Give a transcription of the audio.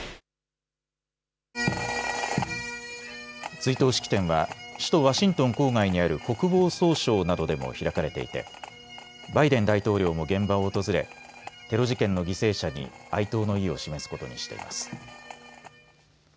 追悼式典は首都ワシントン郊外にある国防総省などでも開かれていてバイデン大統領も現場を訪れテロ事件の犠牲者に哀悼の意を示すことにしています。